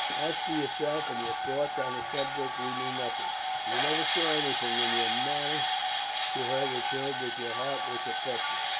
"As to yourself, and your thoughts on the subject, we knew nothing. We never saw anything in your manner to her that showed that your heart was affected.